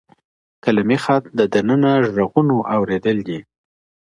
قلمي خط د دننه غږونو اوریدل دي.